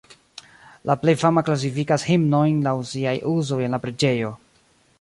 La plej fama klasifikas himnojn laŭ siaj uzoj en la preĝejo.